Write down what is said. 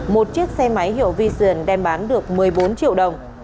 một chiếc xe máy hiệu vision đem bán được một mươi bốn triệu đồng